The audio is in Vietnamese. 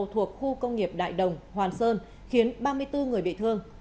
thuộc khu công nghiệp đại đồng hoàn sơn khiến ba mươi bốn người bị thương